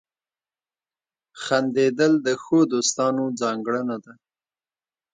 • خندېدل د ښو دوستانو ځانګړنه ده.